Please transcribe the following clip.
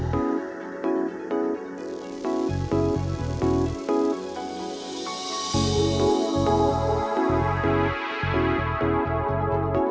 มึงเอาอะไรเพิ่มกันใหม่เดี๋ยวกูเอาให้